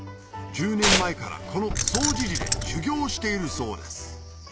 １０年前からこの總持寺で修行しているそうです